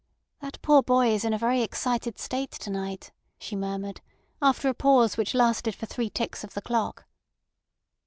"That poor boy is in a very excited state to night," she murmured, after a pause which lasted for three ticks of the clock.